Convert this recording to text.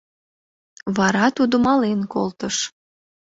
Вара тудо мален колтыш.